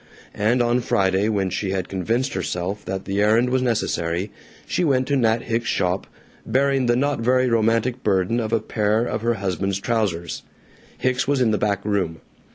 And on Friday, when she had convinced herself that the errand was necessary, she went to Nat Hicks's shop, bearing the not very romantic burden of a pair of her husband's trousers. Hicks was in the back room.